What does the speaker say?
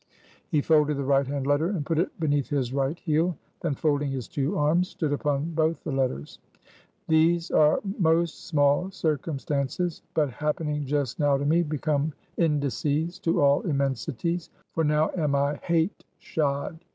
He folded the right hand letter, and put it beneath his right heel; then folding his two arms, stood upon both the letters. "These are most small circumstances; but happening just now to me, become indices to all immensities. For now am I hate shod!